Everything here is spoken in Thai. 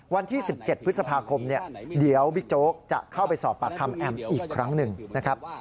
วันที่๑๗พฤษภาคมเดี๋ยวบิ๊กโจ๊กจะเข้าไปสอบปากคำแอมอีกครั้งหนึ่งนะครับ